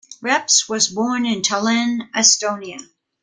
Reps was born in Tallinn, Estonia.